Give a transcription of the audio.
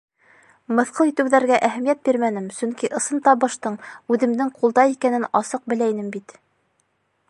Мыҫҡыл итеүҙәргә әһәмиәт бирмәнем, сөнки ысын табыштың үҙемдең ҡулда икәнен асыҡ белә инем бит.